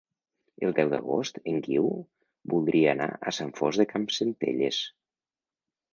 El deu d'agost en Guiu voldria anar a Sant Fost de Campsentelles.